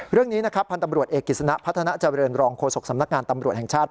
เรื่องนี้นะครับพันธ์ตำรวจเอกกิจสนะพัฒนาเจริญรองโฆษกสำนักงานตำรวจแห่งชาติ